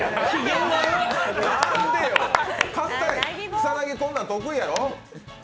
草薙、こんなん得意やろ？